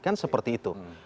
kan seperti itu